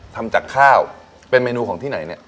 ทำจากข้าวเป็นเมนูของที่ไหนเนี่ย